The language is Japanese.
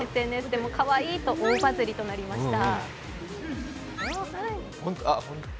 ＳＮＳでもかわいいと大バズリとなりました。